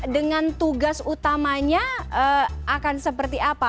dengan tugas utamanya akan seperti apa